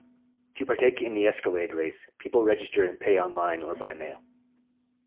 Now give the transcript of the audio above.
To partake in the Escalade race, people register and pay online or by mail.